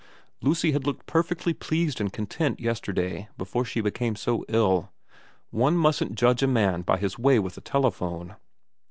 Lucy had looked perfectly pleased and content yesterday before she became so ill. One mustn't judge a man by his way with a telephone.